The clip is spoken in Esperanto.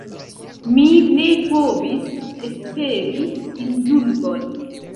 Mi ne povis esperi indulgon.